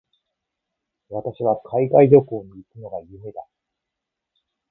私は海外旅行に行くのが夢だ。